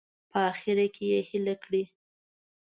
په اخره کې یې هیله کړې.